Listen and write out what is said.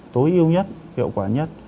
tối yêu nhất hiệu quả nhất